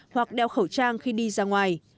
hoặc đeo khẩu trang khi đi ra ngoài